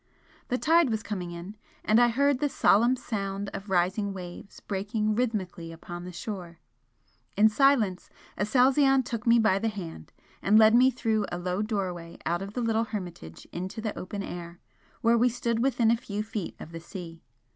The tide was coming in, and I heard the solemn sound of rising waves breaking rhythmically upon the shore. In silence Aselzion took me by the hand and led me through a low doorway out of the little hermitage into the open air, where we stood within a few feet of the sea.